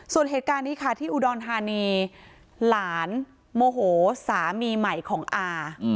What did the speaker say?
ส่วนเหตุการณ์นี้ค่ะที่อุดรธานีหลานโมโหสามีใหม่ของอา